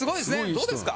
どうですか？